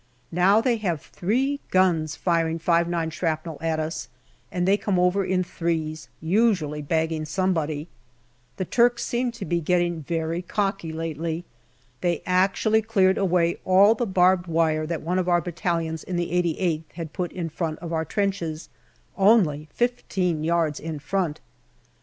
Now they have three guns firing 5*9 shrapnel at us, and they come over in threes, usually bagging somebody. The Turks seem to be getting very cocky lately. They actually cleared away all the barbed wire that one of our battalions in the 88th had put in front of our trenches, only fifteen yards in front.